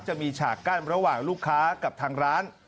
ฉากกั้นระหว่างลูกค้ากับทางร้าน